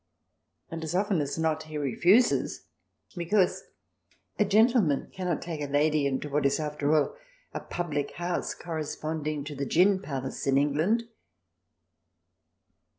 And as often as not he refuses because a gentleman cannot take a lady into what is, after all, a public house corresponding to the gin palace in England.